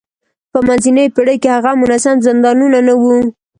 په منځنیو پېړیو کې هم منظم زندانونه نه وو.